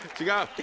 違う。